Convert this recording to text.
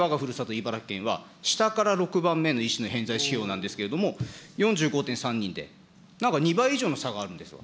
茨城県は、下から６番目のの偏在指標なんですけれども、４５．３人で、なんか２倍以上の差があるんです。